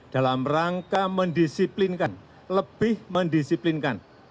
dalam rangka mendisiplinkan lebih mendisiplinkan